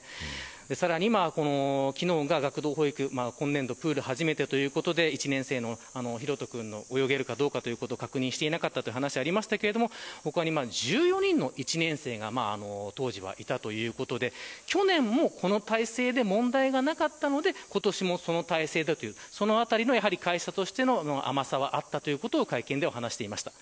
さらに、昨日、学童保育今年度プール始めてということで１年生の大翔君泳げるかどうか確認していなかったという話がありましたが他に１４人の１年生が当時はいた、ということで去年もこの体制で問題がなかったので、今年もその体制だというそのあたりの会社としての甘さはあったということを会見では話していました。